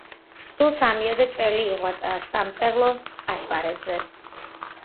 სულ სამიოდე წელი იღვაწა სამწერლო ასპარეზზე.